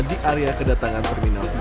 di area kedatangan terminal tiga